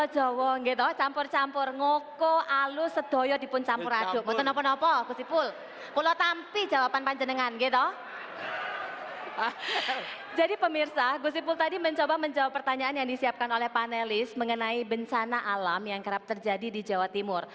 jadi pemirsa gusipul tadi mencoba menjawab pertanyaan yang disiapkan oleh panelis mengenai bencana alam yang kerap terjadi di jawa timur